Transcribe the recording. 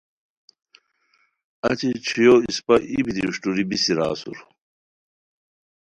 اچی چھویو اسپہ ای بیتی اوشٹوری بیسی را اسور